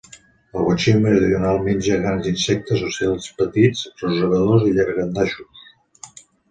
El botxí meridional menja grans insectes, ocells petits, rosegadors i llangardaixos.